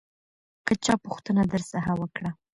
که چا پوښتنه درڅخه وکړه